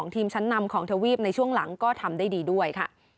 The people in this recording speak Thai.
ทีมชั้นนำของทวีปในช่วงหลังก็ทำได้ดีด้วยค่ะ